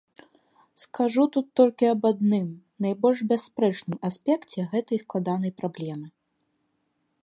Скажу тут толькі аб адным, найбольш бясспрэчным аспекце гэтай складанай праблемы.